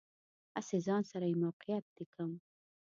هسې ځان سره یې موقعیت لیکم.